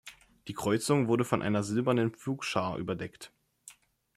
Die Kreuzung wurde von einer silbernen Pflugschar überdeckt.